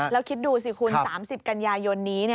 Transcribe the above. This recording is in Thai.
แล้วคิดดูสิคุณ๓๐กันยายนนี้